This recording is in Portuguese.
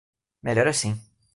Melhor assim.